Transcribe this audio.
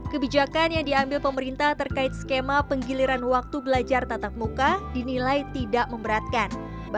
kebijakan yang diambil pemerintah terkait skema penggiliran waktu belajar tatap muka dinilai tidak memberatkan